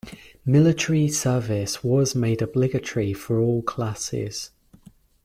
Military service was made obligatory for all classes.